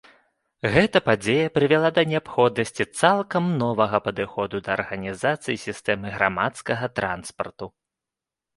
Гэта падзея прывяла да неабходнасці цалкам новага падыходу да арганізацыі сістэмы грамадскага транспарту.